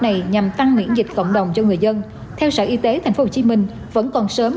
này nhằm tăng miễn dịch cộng đồng cho người dân theo sở y tế thành phố hồ chí minh vẫn còn sớm